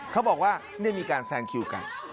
เขาบอกว่ามีการแซงคิวกัน